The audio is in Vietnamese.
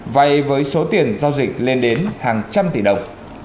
vay với số tiền giao dịch lên đến hàng trăm tỷ đồng